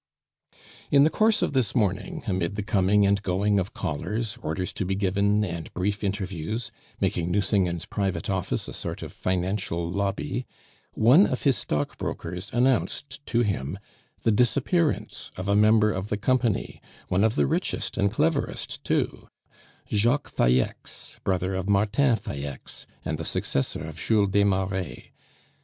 In the course of this morning, amid the coming and going of callers, orders to be given, and brief interviews, making Nucingen's private office a sort of financial lobby, one of his stockbrokers announced to him the disappearance of a member of the Company, one of the richest and cleverest too Jacques Falleix, brother of Martin Falleix, and the successor of Jules Desmarets.